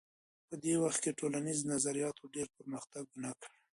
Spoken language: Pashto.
په دې وخت کي ټولنیزو نظریاتو ډېر پرمختګ ونه کړ.